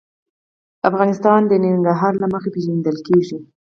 افغانستان د ننګرهار له مخې پېژندل کېږي.